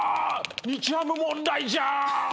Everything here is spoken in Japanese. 日ハム問題じゃん！